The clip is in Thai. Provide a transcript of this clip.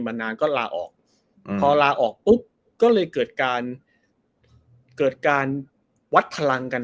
มาสุดท้ายก็คือสองคนที่เคยอยู่ที่